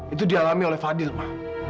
itu dialami oleh fadil mah